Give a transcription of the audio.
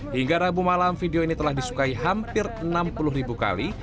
hingga rabu malam video ini telah disukai hampir enam puluh ribu kali